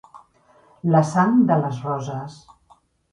La sang de les roses.